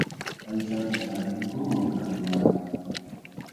Aychata tarinku mankakunapi.